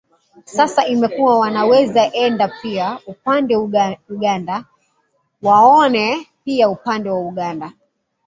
sasa imekuwa wanaweza enda pia upande uganda waone pia upande wa uganda